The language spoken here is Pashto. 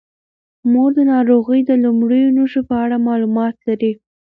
مور د ناروغۍ د لومړنیو نښو په اړه معلومات لري.